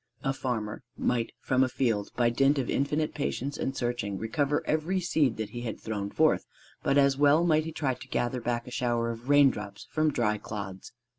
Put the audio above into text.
A farmer might from a field by dint of infinite patience and searching recover every seed that he had thrown forth; but as well might he try to gather back a shower of raindrops from dry clods.